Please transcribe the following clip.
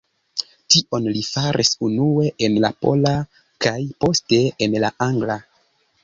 Tion li faris unue en la pola, kaj poste en la angla.